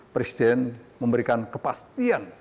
presiden memberikan kepastian